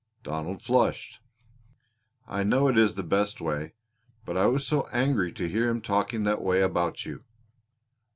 Donald flushed. "I know it is the best way, but I was so angry to hear him talking that way about you."